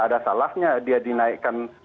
ada salahnya dia dinaikkan